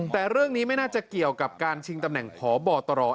แต่เรื่องนี้ไม่น่าจะเกี่ยวกับการชิงตำแหน่งพบตร